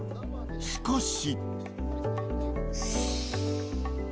しかし。